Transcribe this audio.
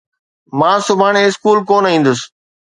مان سڀاڻي اسڪول ڪونہ ايندس.